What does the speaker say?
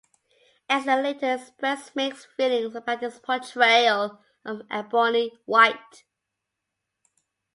Eisner later expressed mixed feelings about his portrayal of Ebony White.